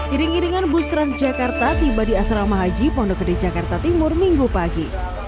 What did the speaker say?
iring iringan bus transjakarta tiba di asrama haji pondok gede jakarta timur minggu pagi